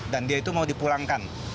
dan dia itu mau dipulangkan